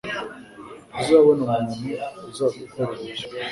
Ntuzabona umuntu uzagukorera ibyo.